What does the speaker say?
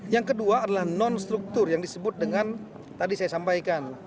yang kedua adalah non struktur yang disebut dengan tadi saya sampaikan